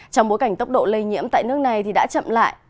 trong bối cảnh tốc độ lây nhiễm tại nước này thì đã chậm lại